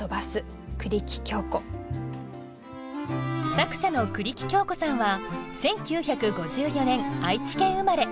作者の栗木京子さんは１９５４年愛知県生まれ。